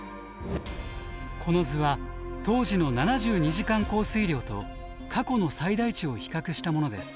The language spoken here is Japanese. この図は当時の７２時間降水量と過去の最大値を比較したものです。